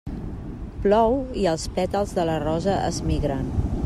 Plou i els pètals de la rosa es migren.